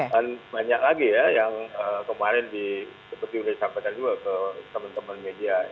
dan banyak lagi ya yang kemarin seperti sudah sampai tadi juga ke teman teman media